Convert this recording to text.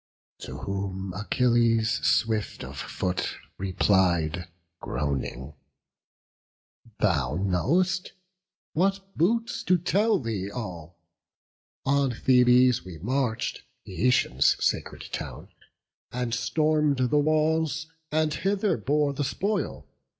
To whom Achilles, swift of foot, replied, Groaning, "Thou know'st; what boots to tell thee all? On Thebes we march'd, Eetion's sacred town, And storm'd the walls, and hither bore the spoil.